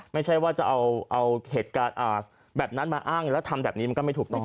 ไม่ใช่ว่าจะเอาเหตุการณ์แบบนั้นมาอ้างแล้วทำแบบนี้มันก็ไม่ถูกต้อง